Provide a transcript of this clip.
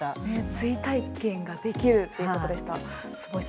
追体験ができるということでした。